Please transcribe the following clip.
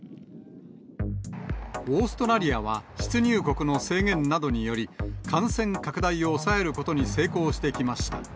オーストラリアは出入国の制限などにより、感染拡大を抑えることに成功してきました。